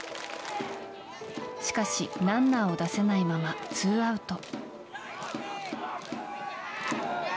しかし、ランナーを出せないままツーアウト。